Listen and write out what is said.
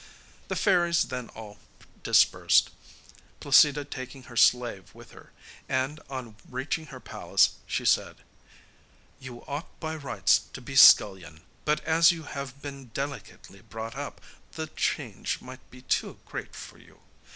The fairies then all dispersed, Placida taking her slave with her, and on reaching her palace she said: 'You ought by rights to be scullion, but as you have been delicately brought up the change might be too great for you.